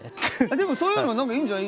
でもそういうの何かいいんじゃない？